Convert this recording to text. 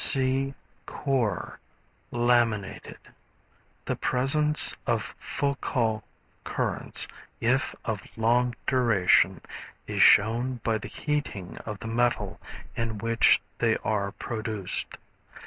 (See Core, Laminated.) The presence of Foucault currents, if of long duration, is shown by the heating of the metal in which they are produced.